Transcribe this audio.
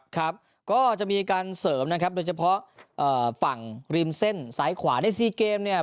ครับก็จะมีการเสริมนะครับโดยเฉพาะฝั่งริมเส้นซ้ายขวาในซีเกมเนี่ย